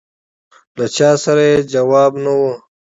له چا سره یې ځواب نه و.